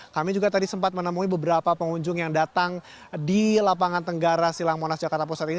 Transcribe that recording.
kami juga tadi sempat menemui beberapa pengunjung yang datang di lapangan tenggara silang monas jakarta pusat ini